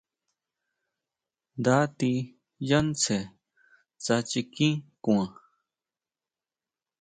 Nda tí yá tsjen tsá chikín kuan.